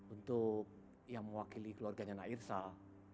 untuk yang mewakili keluarganya na irsal